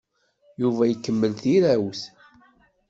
Yuba ikemmel tirawt.